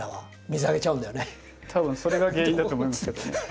たぶんそれが原因だと思いますけどね。